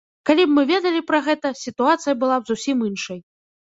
Калі б мы ведалі пра гэта, сітуацыя была б зусім іншай.